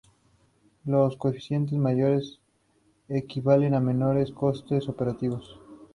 Los coeficiente mayores equivalen a menores costes operativos.